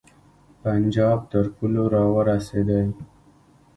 پنجاب تر پولو را ورسېدی.